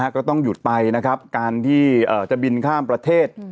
ก็ต้องหยุดไปนะครับการที่จะบินข้ามประเทศ